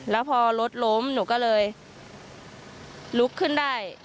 แล้วพอรถล้มหนูก็เลยลุกขึ้นได้